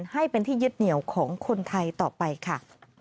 ให้เป็นที่ยึดเหนียวของคนไทยต่อไปค่ะ